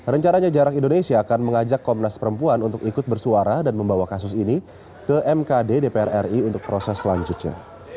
rencananya jarak indonesia akan mengajak komnas perempuan untuk ikut bersuara dan membawa kasus ini ke mkd dpr ri untuk proses selanjutnya